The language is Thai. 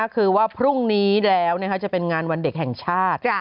คือว่าพรุ่งนี้แล้วจะเป็นงานวันเด็กแห่งชาติ